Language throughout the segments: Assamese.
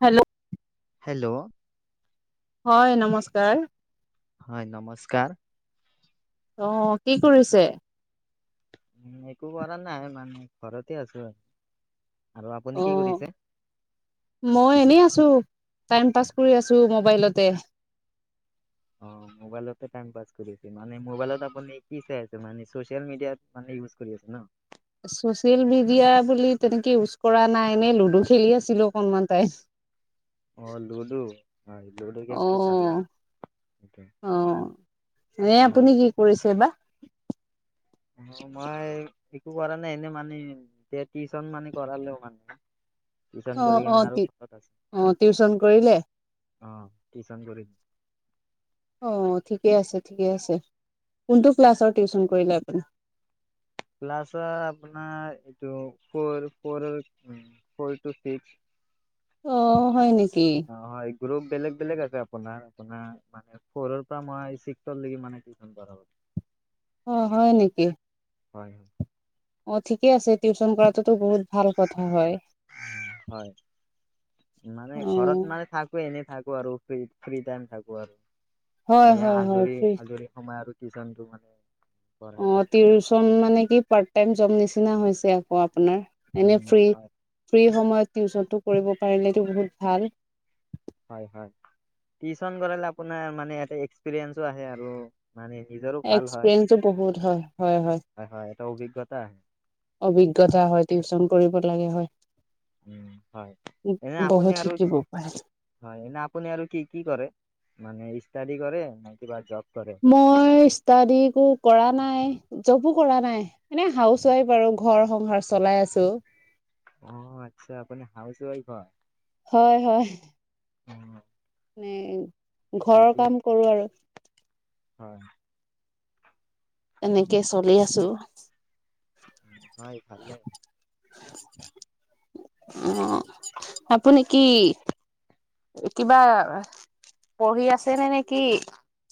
হেল্ল' হেল্ল' হয় নমস্কাৰ হয় নমস্কাৰ অঁ কি কৰিছে একো কৰা নাই মানে ঘৰতে আছো আৰু আপুনি কি অঁ কৰিছে? মই এনেই আছো টাইম পাছ কৰি আছো মোবাইলতে অঁ মোবাইলতে টাইম পাছ কৰিছে মানে মোবাইলত আপুনি কি চাই আছে মানে ছ'চিয়েল মিডিয়াত মানে ইউজ কৰি আছো ন চচিয়েল মিডিয়া বুলি তেনেকে ইউজ কৰা নাই এনেই লুডু খেলি আছিলো অকনমান টাইম অ লুডু হয় লুডো অ গেমটোো খালে সেইটো এ হয়। আপুনি কি কৰিছে বা অ মই একো কৰা নাই এনে মানে এতিয়া টিউচন মানে কৰালে মানে টিউচন অ কৰি অ কেনে আৰু ঘৰত আছো অ টিউচন কৰিলে অ কিচ গৰি অ ঠিকে আছে ঠিকে আছে কোনটো ক্লাছৰ টিউশচন কৰিলে আপুনি ক্লাছৰ আপোনাৰ এইটো ফৰ ফৰ ফৰটিক্স অ হয় নেকি অ হয় গ্ৰুপ বেলেগ বেলেগ আছে আপোনাৰ আপোনাৰ মানে ফৰ পৰা মই মানে কি অ হয় নেকি হয় হয় অ ঠিকে আছে টিউচন কৰাটোতো বহুত ভাল কথা হয় হয় মানে অ ঘৰত মানে থাকো এনে থাকো আৰু ফ্ৰী টাইম থাকো আৰু হয় সয়া হয় হয় আজৰি ফ্ৰী আজৰি সময় আৰু ডিজাইনটো মানে পঢ়াই অ থাকো টিউচন মানে কি পাৰ্ট টাইম যম নিচিনা হৈছে আকৌ এ উম ফ হয় ফ সময়ত ন কৰিব পাৰিলেতো বহুত ভাল টিপোনাৰ এক্সিৰিয়েঞ্চ আহ আৰু মানে নিজৰো ভাল হয় এক্সপিৰিয়েঞ্চো বহুত হয় হয় হয় এটা অভিজ্ঞতা আহে অভিজ্ঞতা হয় টিউচন কৰিব লাগে হয় উ হয় এনে বহুত আপুনিয়াৰ শিকিব পাৰে। হয়নে আপুনি আৰু কি কি কৰে মানে ষ্টাডি কৰে ন কিবা জব কৰে আপুনি মই ষ্টাড কো কৰা নাই জবো কৰা নাই এনেে হাউচ ৱাইফ আৰু ঘৰ সংসাৰ চলাই আছো অ আচ্ছা আপুনি হাউচ ৱাইফ হয় হয় হয় উম মানে ঘৰৰ কাম কৰো আৰু হয় এনেকে চলি আছো হয় ভালে আহ আপুনি কি তিিবা পঢ়ি আছে নে নেকি?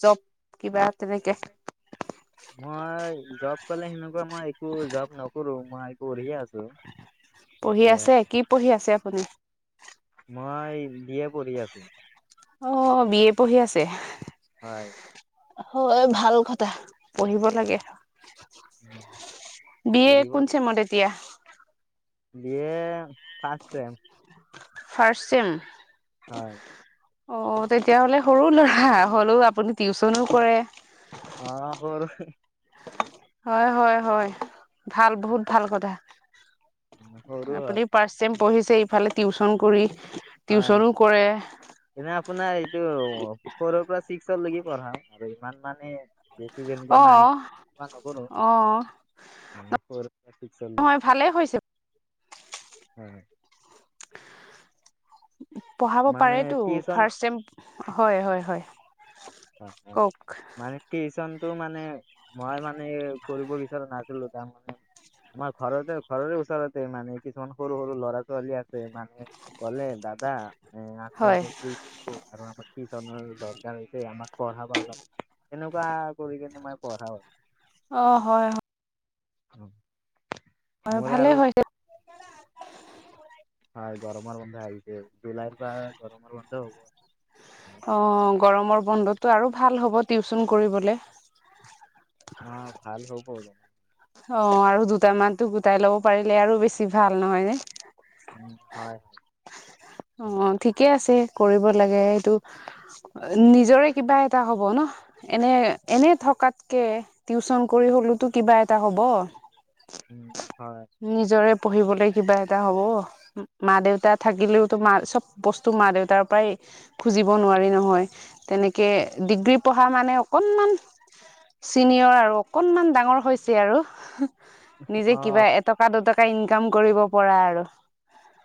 জব কিবা তেনেকে? মই জব কলে সেনেকুৱা মই একো জব নকৰো মই একো পঢ়িয়ে আছো। পঢ়ি এতিয়া আছে কি পঢ়ি আছে আপুনি? মই বি এ পঢ়ি আছো। অ, বিয়ে পঢ়ি আছে। হয়। হয়, ভাল কথা পঢ়িব লাগে। বিয়ে কোন চেমত এতিয়া? B A first sem? First sem. হয়। অ, তেতিয়াহলে সৰু ল'ৰা হ'লেও আপুনি টিউচনো কৰে। অ, হ। [unintelligible] হয়, হয়, হয়, ভাল বহুত ভাল কথা। ম, সৰু আপুনি হয়। ফাৰ্ষ্ট চেম পঢ়িছে ইফালে টিউশ্যন কৰি হয়, টিউচনো কৰে এনে আপোনাৰ এইটো ফ'ৰৰ পৰা ছিক্স লৈকে পঢ়াও আৰু ইমান মানে বেছি অ [unintelligible] নাই [unintelligible] নকৰো অ নক [unintelligible] হয়, নহয় ভালেই হৈছে হয়। পঢ়াব মানে পাৰেটো টিউচন ফাৰ্চ চেম হয়, হয়, হয়। হয়, হয়, কওক মানে টিচন টো মানে মই মানে কৰিব বিচৰা নাছিলো তাৰমানে আমাৰ ঘৰতে ঘৰৰে ওচৰতে মানে কিছুমান সৰু সৰু ল'ৰা-ছোৱালী আ [unintelligible] মানে ক'লে দাদা উম, আমি হয় এনে [unintelligible] কিটশচনৰ দৰকাৰ হৈছে আমাক পঢ়াব অলপ এনেকুৱা কৰি কেনে মই পঢ়াওঁ আৰু অ, হয়, হয়। [unintelligible] [unintelligible] মোৰে ভালে আৰু হয় দে হয় গৰমৰ বন্ধ আহিছে। জুলাইৰ পৰা গৰমৰ বন্ধ হ'ব। অ, গৰমৰ বন্ধতটো আৰু ভাল হ'ব টিউচন কৰিবলে। অ, ভাল হ'ব [unintelligible] অ, আৰু দুটামানতো গোটাই ল'ব পাৰিলে আৰু বেছি ভাল নহয় নে? হয়। অ, হয় ঠিকে আছে। কৰিব লাগে এইটো নিজৰে কিবা এটা হব ন' এনে এনে থ থকাতকে টিউচন কৰি হলতো কিবা এটা হ'ব। উম। হয় নিজৰে পঢ়িবলৈ কিবা এটা হ'ব, মা-দেউতা থাকিলেওতো মা চব বস্তু মা-দেউতাৰ পৰাই খুজিব নোৱাৰি নহয়। তেনেকে ডিগ্ৰী পঢ়া মানে অকনমান চিনিয়ৰ আৰু অকনমান ডাঙৰ হৈছে আৰু নিজে অ কিবা এটকা দুটকা ইনকাম কৰিব পৰা আৰু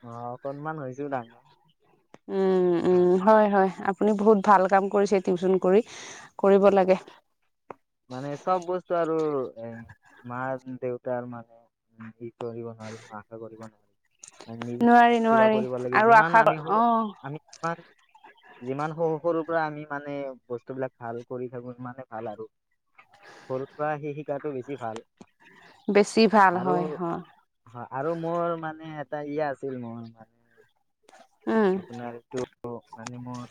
অ, অকনমান হৈছো ডাঙৰ। উম, উম, হয়, হয়। আপুনি বহুত ভাল কাম কৰিছে টিউচন কৰি কৰিব লাগে। মানে চব বস্তু আৰু মাৰ দেউতাৰ মানে [unintelligible] কৰিব নোৱাৰি [unintelligible] নোৱাৰি [unintelligible] কিবা নোৱাৰি কৰিব লাগে আৰু আশা যিমান আমি অ [unintelligible] আমি [unintelligible] যিমান সৰু সৰু পৰা আমি মানে বস্তুবিলাক ভাল কৰি থাকো সিমানে ভাল আৰু সৰুৰ পৰা সি শিকাটো বেছি ভাল। বেছি ভাল আৰু হয়, হম। হয়, আৰু মোৰ মানে এটা ই আছিল মোৰ মানে। উম আপোনাৰতো মানে মোৰ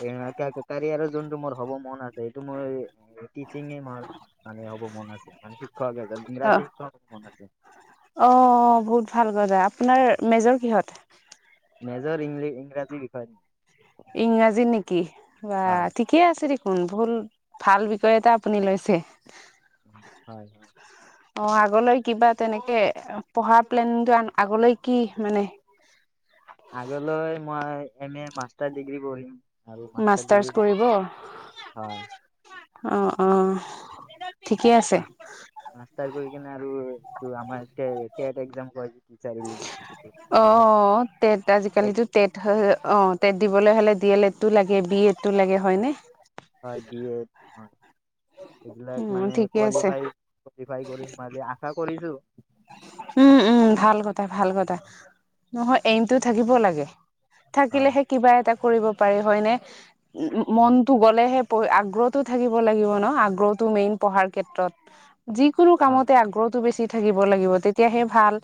[unintelligible] যোন মোৰ হ'ব মন আছে এইটো মই টচিং [unintelligible] মানে হ'ব মন আছে, মানে শিক্ষক এজন, অ ইংৰাজী শিক্ষক হ'ব মন আছে। অ', বহুত ভাল [unintelligible] আপোনাৰ মেজৰ কিহত? মেজৰ ইং ইংৰাজী বিষয়ত। ইংৰাজী নেকি? বাহ হয় ঠিকেই আছে [unintelligible] ভাল বিষয় এটা আপুনি লৈছে। হয়। অ', আগলৈ কিবা তেনেকে পঢ়া প্লেনটো আন আগলৈ কি মানে? আগলৈ মই এম এ মাষ্টাৰ ডিগ্ৰী পঢ়িম। আৰু মাষ্টাৰ ডিগ্ৰী মাষ্টাৰ্চ কৰিব, হয় অ', অ। ঠিকেই আছে। মাষ্টাৰ কৰি আৰু এইটো আমাৰ এতিয়া টেট এক্সাম। [unintelligible] অ', তেট আজিকালিতো তেট হয়। অ, তেট দিবলৈ হ'লে ডি এল এড টো লাগে বি এ হয়, বি এ। [unintelligible] সেইবিলাক উম, মানে ঠিকে আছে কোৱালিফাই, কোৱালিফাই কৰিম বুলি আশা কৰিছো। উম, উম, ভাল কথা ভাল কথা। নহয়, এইমটো থাকিব লাগে। হয় থাকিলেহে কিবা এটা কৰিব পাৰি, হয় নে? হয় মনটো গলেহে আগ্ৰহতটো থাকিব লাগিব ন, আগ্ৰহতটো মেইন পঢ়াৰ ক্ষেত্ৰত। যিকোনো হয় কামতে আগ্ৰহতটো বেছি থাকি [unintelligible] তেতিয়াহে ভাল,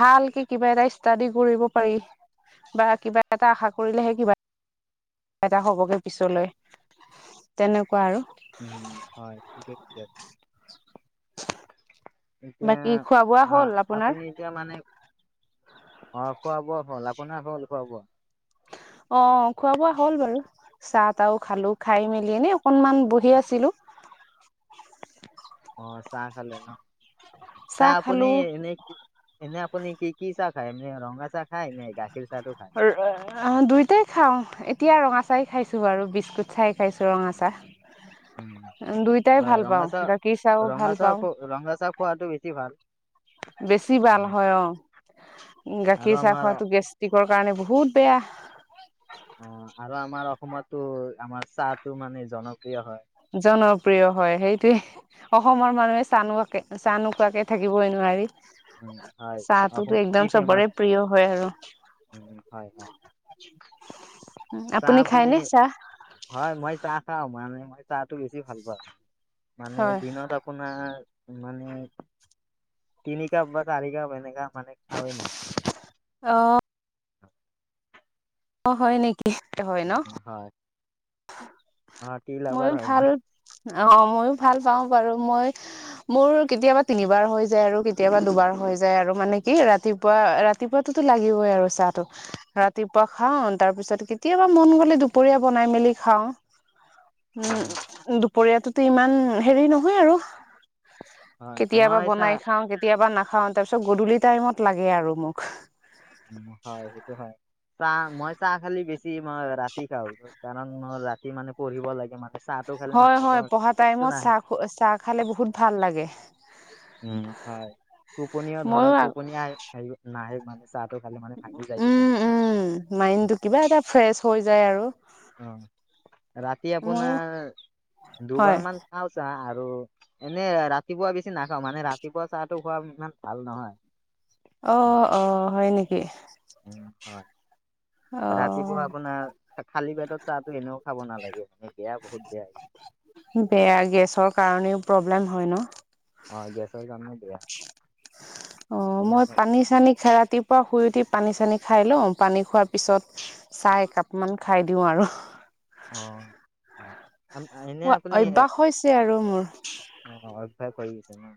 ভালকে কিবা এটা ষ্টাডি কৰিব পাৰি। বা কিবা এটা আশা কৰিলেহে কিবা এটা হবগে পিছলৈ। তেনেক উম, হয়। [unintelligible] এতিয়া বাকী খোৱা বোৱা হা হ'ল আপোনাৰ আপুনি এতিয়া মানে অ', খোৱা-বোৱা হ'ল, অপোনাৰ হ'ল খোৱা-বোৱা। [inaudible] অ', খোৱা-বোৱা হ'ল বাৰু। চাহ তাহো খালো, খাই মেলি এনেই অকনমান বহি আছিলো। [inaudible] অ', চাহ খালে ন? চাহ আপুনি এনে এনে- [unintelligible] কি চাহ খায়, এনে ৰঙা চা অ', দুইটাই খাওঁ। এতিয়া ৰঙা চাহেই খাইছো বাৰু, বিস্কুট চাহে খাইছো, ৰঙা চাহ। উ, দুইটাই হয় ভাল ৰঙা পাওঁ, চাহ গাখীৰ চাহো ৰঙা ভাল চাহ খ পাওঁ। ৰঙা চাহ খোৱাটো বেছি ভাল। বেছি ভাল হয় অ। আৰু গাখীৰ চাহ আমাৰ খোৱাটো গেষ্ট্ৰিকৰ কাৰণে বহুত বেয়া। অ আৰু আমাৰ অসমতটো আমাৰ চাহটো মানে জন জনপ্ৰিয় হয়, সেইটোৱেই। অসমৰ মানুহে চাহ নোখোৱাকে চাহ নোকোৱাকে থাকিবই নোৱাৰি। উম হয় চাহতোটো অসমত কি একদম ফেমাচ চবৰে প্ৰিয় হয় আৰু। উম, হয় হয়। চাহ আপুনি, খায়নে চাহ? হয় মই চাহ খাওঁ মানে মই চাহটো বেছি ভাল পোৱা, মানে হয়। দিনত আপোনাৰ মানে তিনিকাপ বা চাৰিকাপ এনেকা। মানে খাৱেই মই। অ', হয় নেকি? হয় নহ। উম হয় অ টি লাভাৰ ময়ো হয় ভাল, মই অহ ময়ো ভাল পাও বাৰু মই। মোৰ কেতিয়াবা তিনিবাৰ হৈ যায় আৰু, কেতিয়াবা দুবাৰ হৈ যায় আৰু মানে। কি ৰাতিপুৱা ৰাতিপুৱাতো লাগিবই আৰু চাহটো ৰাতিপুৱা খাও তাৰপিছত কেতিয়া ক মন গ'লে দুপৰীয়া বনাই মেলি খাও উম দুপৰীয়াটোতো ইমান হেৰি নহয় আৰু হয় কেতিয়াবা মই চা বনাই খাও কেতিয়াবা না অ তাৰপিছত গধূলি টাইমত লাগে আৰু মোক উ হয় সেইটো হয়, চাহ মই চাহ খালি বেছি মই ৰাতি খাওঁ কাৰণ মই ৰাতি মানে পঢ়িব লাগে মান হয় হয় পঢ়া টাইমত চাহ খ চাহ খালে বহুত ভাল লাগে। উম হয় টোপনিও ধৰক ময়ো টোপন নাহে মানে, চাহটো খালে মানে ভাঙি যায় উম টোপনিটো উম সেইটো মাইডটো কিবা এটা ফ্ৰেছ হৈ যায় আৰু [inaudible] অ ৰাতি ময়ো আপোনাৰ হয় দুবাৰ মান খাওঁচাহ আৰু আৰু এনে ৰাতিপুৱা বেছি নাখাওঁ মানে ৰাতিপুৱা চাহটো খোৱা ইমান ভাল নহয়। অ অ হয় নেকি হয় [unintelligible] ৰাতিপুৱা আপোনাৰ খালী পেটত চাহটো এনেও খাব নালাগে মানে বেয়া বহুত বেয়া বেয়া গেছৰ কাৰণেও প্ৰব্লেম হয় ন অ গেছ যাম ন দিয়া [inaudible] অ মই পানী চানী খায় ৰাতিপুৱা শুই উঠি পানী চানী খাই লওঁ পানী খোৱাৰ পিছত চাহ একাপ মান খাই দিওঁ আৰু [inaudible] উম অভ্যয়াস হৈছে আৰু মোৰ [inaudible] অ হৈ গৈছে ন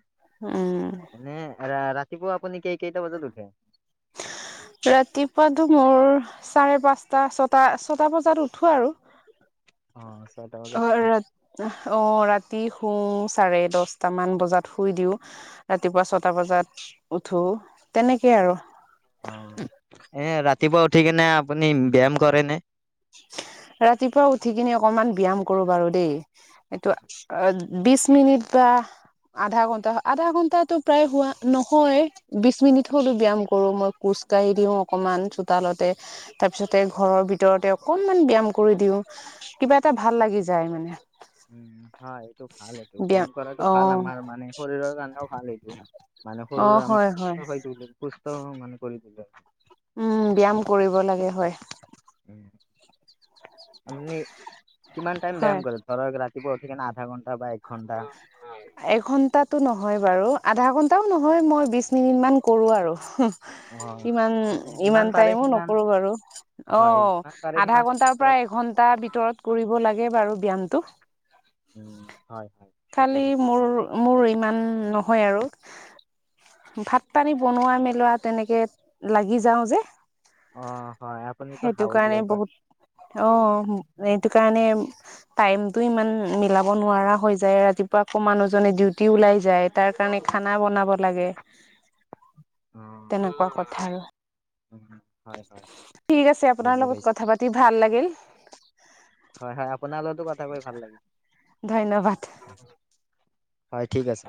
উম এনে ৰাতিপুৱা আপুনি কি কেইটা বজাত উঠে [unintelligible] ৰাতিপুৱাতো মোৰ চাৰে পাঁচটা ছটা ছটা বজাত উঠো আৰু অ ছয়টা বজাত অ উঠে অ ৰাতি শু চাৰে দটা মান বজাত শুই দিও ৰাতিপুৱা ছটা বজাত উঠো তেনেকে আৰু অ এনে ৰাতিপুৱা উঠি কিনে আপুনি ব্যায়াম কৰে নে ৰাতিপুৱা উঠি কিনি অকমান ব্যায়াম কৰো বাৰু দেই এইটোটো বিশছ মিনিট বা আধা ঘন্টা আধা ঘন্টাতটো প্ৰায় হুৱোৱা নহয় বিশ মিনিট হলো ব্যায়াম কৰো মই কোচ খোজ কাঢ়ি দি অকমান চোতালতে তাৰপিছৰ ভিতৰতে অকনমান ব্যয়ায়াম কৰি দিওঁ কিবা এটা ভাল লাগি যায় মানে উ হয় এইটো ভাল এইটো ব্যায়াম কৰাটো ভাল আমাৰ মানে শৰীৰৰ কাৰণেও ভাল এইটো মানে সৰু অ', আমাৰ হয়, হয়, সুস্থ হৈ ত সুস্থ মানে কৰি তলে আৰু উম ব্যায়াম কৰিব লাগে হয় আপুনি কিমান টাইম হয়। ব্যয়াম কৰে ধৰ ৰাতিপুৱা সে আধা ঘণ্টা বা এক ঘণ্টা এঘন্টাটো নহয় বাৰু আধা ঘন্টাও নহয় মই বিশ মিনিট মান কৰো আৰু অ ইমান মানে যিমান ইমান পাৰে টাইমো সিমান নকৰো বাৰু অ হয় যিমান পাৰে আধা সিমান দান ঘন্টাৰ পৰা কৰাত এঘন্টা ভিতৰত কৰিব লাগে বাৰু ব্যয়ামটো উম হয় হয় সেইটো খালি হয় মোৰ মোৰ ইমান নহয় আৰু ভাত পানী বনোৱা মেলোৱা তেনেকে লাগি যাও যে অ হয় আপুনিতো সেইটো হাউচ কাৰণে ৱাইফ হয়। বহুত অ এইটো কাৰণে টাইমতটো ইমান মিলাব নোৱাৰা হৈ যায় ৰাতিপুৱা আকৌ মানুহজনে ডিউটি ওলাই যায় তাৰ কাৰণে খানা বনাব লাগে অ তেনেকুৱা কথা আৰু উম হয় হয় ঠিক আছে আপোনাৰ বুজি লগত পাইছো। কথা পাতি ভাল লাগিল হয় হয় আপোনাৰ লগতো কথা কৈ ভাল লাগিল ধন্যবাদ। হয় ঠিক আছে